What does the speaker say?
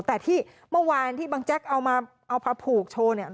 แต่ที่เมื่อวานที่บางแจ๊กเอามาเอามาผูกโชว์เนี่ย